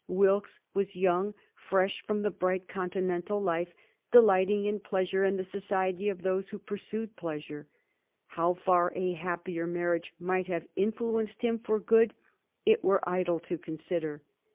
Wilkes was young, fresh from the bright Continental life, delighting in pleasure and the society of those who pursued pleasure. How far a happier marriage might have influenced him for good it were idle to consider.